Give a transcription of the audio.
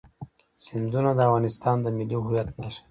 سیندونه د افغانستان د ملي هویت نښه ده.